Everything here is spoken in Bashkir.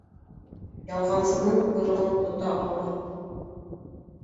Ялғансының ҡойроғон тота алмаҫһың.